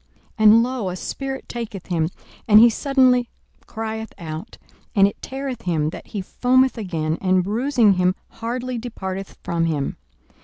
42:009:039 And, lo, a spirit taketh him, and he suddenly crieth out; and it teareth him that he foameth again, and bruising him hardly departeth from him.